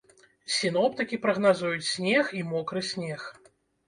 Сіноптыкі прагназуюць снег і мокры снег.